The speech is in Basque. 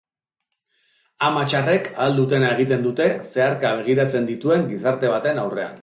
Ama txarrek ahal dutena egiten dute, zeharka begiratzen dituen gizarte baten aurrean.